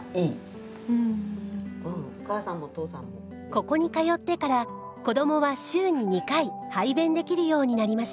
ここに通ってから子どもは週に２回排便できるようになりました。